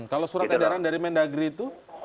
kalau surat edaran dari mendagri itu